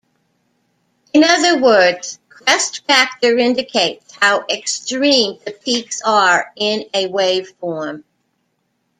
In other words, crest factor indicates how extreme the peaks are in a waveform.